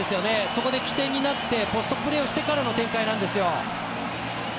そこで起点になってポストプレーしてからの展開なんですよ。